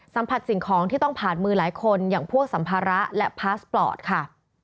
สัมผัสสิ่งของที่ต้องผ่านมือหลายคนอย่างพวกสัมภาระและพาสปอร์ตค่ะ